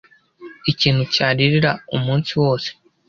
ikintu cyaririra umunsi wose